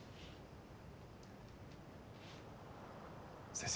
先生